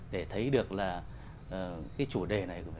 để thấy được là cái chủ đề này